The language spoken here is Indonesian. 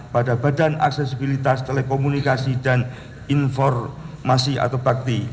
pada badan aksesibilitas telekomunikasi dan informasi atau bakti